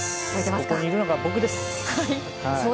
そこにいたのが僕です。